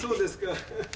ハハハハ。